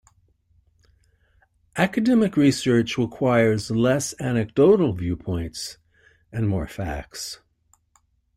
Academic research requires less anecdotal viewpoints and more facts.